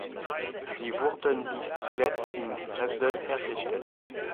Sie wurden bis zuletzt in Dresden hergestellt.